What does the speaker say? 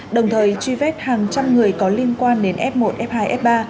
đồng thời truy vết hàng trăm người có liên quan đến f một f hai f ba